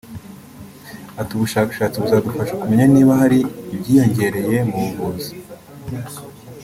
Ati “ubushakashatsi buzadufasha kumenya niba hari ibyiyongereye mu buvuzi